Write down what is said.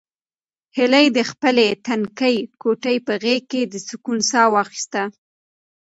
هیلې د خپلې تنګې کوټې په غېږ کې د سکون ساه واخیسته.